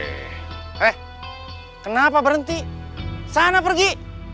hei kenapa berhenti sana pergi